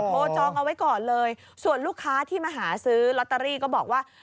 จองเอาไว้ก่อนเลยส่วนลูกค้าที่มาหาซื้อลอตเตอรี่ก็บอกว่า